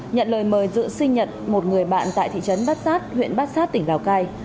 nhận lời mời dự sinh nhật một người bạn tại thị trấn bát giác tỉnh lào cai